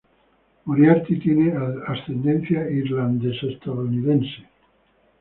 Moriarty tiene ascendencia irlandesa-estadounidense.